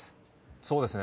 そうですね。